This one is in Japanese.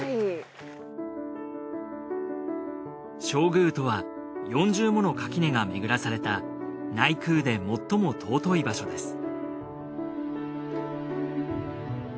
正宮とは四重もの垣根がめぐらされた内宮で最も尊い場所です